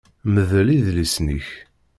Mdel idlisen-ik!